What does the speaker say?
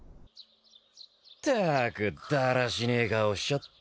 ったくだらしねえ顔しちゃってまあ。